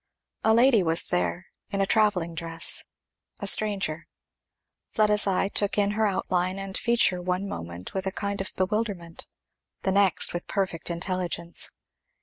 A lady was there, in a travelling dress, a stranger. Fleda's eye took in her outline and feature one moment with a kind of bewilderment, the next with perfect intelligence.